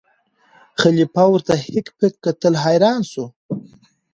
خلیفه ورته هک پک کتل حیران سو